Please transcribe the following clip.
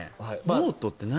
ノートって何？